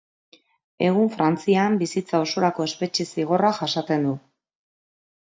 Egun Frantzian bizitza osorako espetxe zigorra jasaten du.